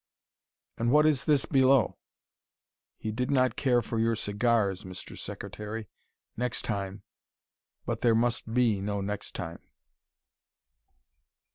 "And what is this below ? 'He did not care for your cigars, Mr. Secretary. Next time but there must be no next time.'"